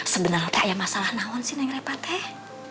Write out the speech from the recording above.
sebenarnya teh masalah naon sih neng repah teh